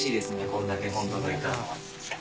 これだけ本届いたら。